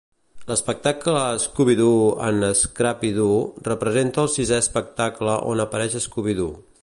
L"espectable "Scooby-Doo and Scrappy-Doo" representa el sisè espectable on apareix Scooby-Doo.